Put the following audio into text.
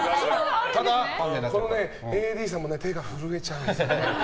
このＡＤさんも手が震えちゃうんですよ。